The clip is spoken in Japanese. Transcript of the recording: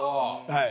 はい。